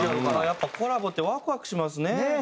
やっぱコラボってワクワクしますね。